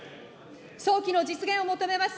早期の実現を求めます。